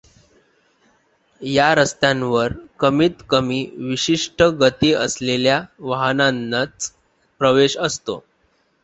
या रस्त्यांवर कमीतकमी विशिष्ट गति असलेल्या वाहनांनाच प्रवेश असतो.